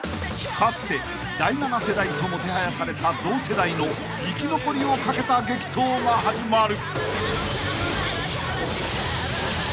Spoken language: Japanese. ［かつて第７世代ともてはやされた同世代の生き残りをかけた激闘が始まる］